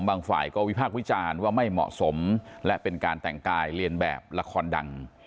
ฝ่ายก็วิพากษ์วิจารณ์ว่าไม่เหมาะสมและเป็นการแต่งกายเรียนแบบละครดัง